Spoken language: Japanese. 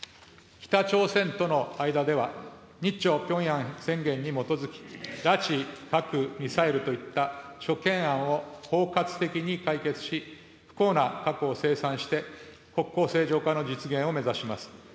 北朝鮮との間では、日朝ピョンヤン宣言に基づき、拉致、核、ミサイルといった諸懸案を包括的に解決し、不幸な過去を清算して、国交正常化の実現を目指します。